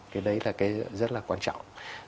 cái đấy là cái rất là quan trọng